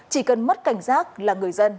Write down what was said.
chỉ cần mất cảnh giác là người dân